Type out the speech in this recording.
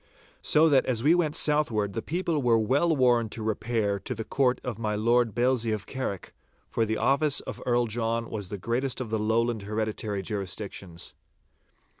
So that as we went southward the people were well warned to repair to the Court of my Lord Bailzie of Carrick, for the office of Earl John was the greatest of the Lowland hereditary jurisdictions.